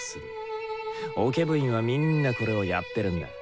オケ部員はみんなこれをやってるんだ。